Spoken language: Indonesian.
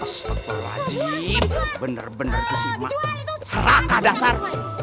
astaghfirullahaladzim bener bener itu sih emak seraka dasar